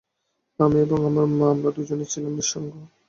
আমি এবং আমার মা, আমরা দুজনই ছিলাম নিঃসঙ্গ।